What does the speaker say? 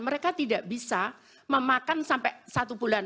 mereka tidak bisa memakan sampai satu bulan